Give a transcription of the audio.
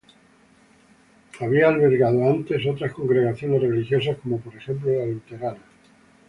Antes había albergado otras congregaciones religiosas, como por ejemplo la luterana.